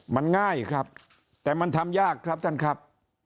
มันง่ายครับแต่มันทำยากครับท่านครับ